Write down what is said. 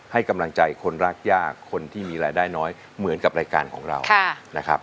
ให้กำลังใจคนรากยากคนที่มีรายได้น้อยเหมือนกับรายการของเรานะครับ